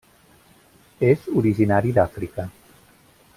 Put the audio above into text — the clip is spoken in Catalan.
És originari d'Àfrica.